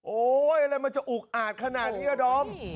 อะไรมันจะอุกอาดขนาดนี้ดอม